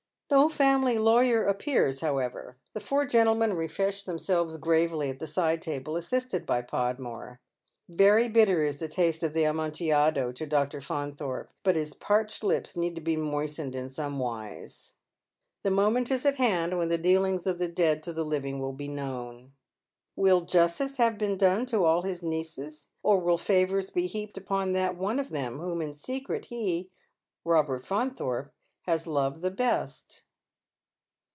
No family lawyer appears, however. The four gentlemen refresh themselves gi avely at the side table, assisted by Pod more. Very bitter is the taste of the Amontillado to Dr. Faun thorpe, but his parched lips need to be moistened in some wise. The moment is at hand when the dealings of the dead to the living will be known. Will justice have been done to all his nieces, or will favours be heaped upon that one of them whom in secret he, Eobert Faunthorpe, has loved the best